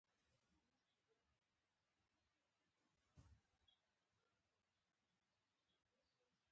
افغانستان د غوښې د تولید یو ښه کوربه دی.